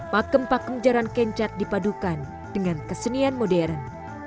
pakem pakem jarang kencang dipadukan dengan kesenian modern